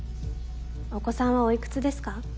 お子さんはおいくつですか？